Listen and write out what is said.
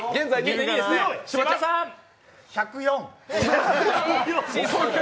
１０４。